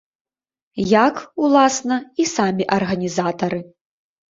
Як, уласна, і самі арганізатары.